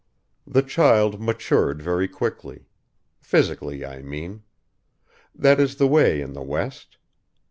The child matured very quickly. Physically I mean. That is the way in the west.